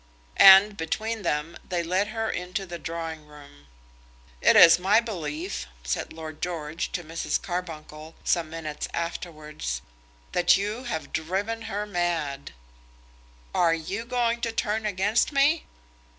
And, between them, they led her into the drawing room. "It is my belief," said Lord George to Mrs. Carbuncle, some minutes afterwards, "that you have driven her mad." "Are you going to turn against me?"